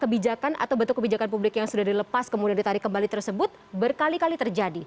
kebijakan atau bentuk kebijakan publik yang sudah dilepas kemudian ditarik kembali tersebut berkali kali terjadi